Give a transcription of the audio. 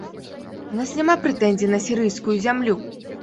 У нас няма прэтэнзій на сірыйскую зямлю.